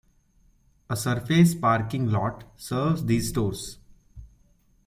A surface parking lot serves these stores.